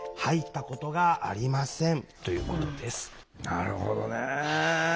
なるほどねえ。